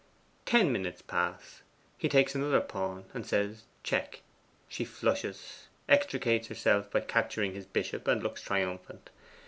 Ten minutes pass: he takes another pawn and says, 'Check!' She flushes, extricates herself by capturing his bishop, and looks triumphant.